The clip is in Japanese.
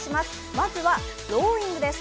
まずはローイングです。